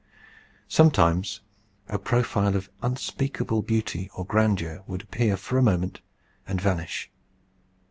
Sometimes a profile of unspeakable beauty or grandeur would appear for a moment and vanish.